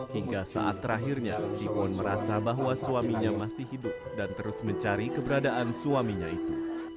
hingga saat terakhirnya si bon merasa bahwa suaminya masih hidup dan terus mencari keberadaan suaminya itu